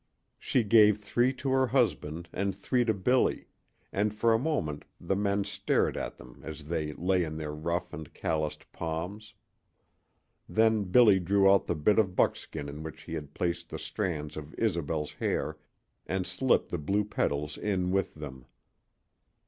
She gave three to her husband and three to Billy, and for a moment the men stared at them as they lay in their rough and calloused palms. Then Billy drew out the bit of buckskin in which he had placed the strands of Isobel's hair and slipped the blue petals in with them.